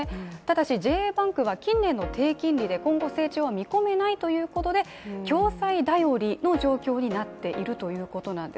ただし、ＪＡバンクは近年の低金利で今後成長は見込めないということで共済便りの状況になっているということなんです。